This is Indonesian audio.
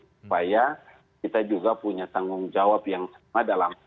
supaya kita juga punya tanggung jawab yang sama dalam